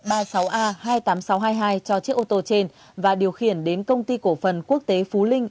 ba mươi sáu a hai mươi tám nghìn sáu trăm hai mươi hai cho chiếc ô tô trên và điều khiển đến công ty cổ phần quốc tế phú linh